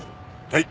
はい。